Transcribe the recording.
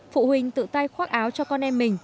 phụ huynh tự tay khoác áo cho con em mình